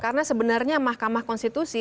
karena sebenarnya mahkamah konstitusi